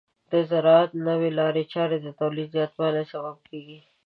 د زراعت نوې لارې چارې د تولید زیاتوالي سبب کیږي.